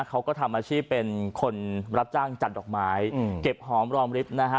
เขาก็ทำอาชีพเป็นคนรับจ้างจัดดอกไม้เก็บหอมรอมริบนะฮะ